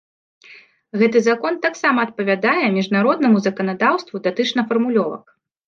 Гэты закон таксама адпавядае міжнароднаму заканадаўству датычна фармулёвак.